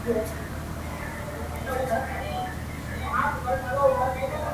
پر پردیو ما ماتم نه دی لیدلی -